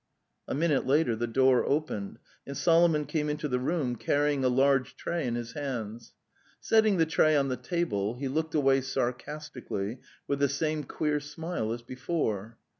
A minute later the door opened, and Solomon came into the room carrying a large tray in his hands. Setting the tray on the table, he looked away sarcastically with the same queer smile as before.